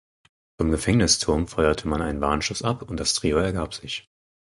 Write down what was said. Vom Gefängnisturm feuerte man einen Warnschuss ab und das Trio ergab sich.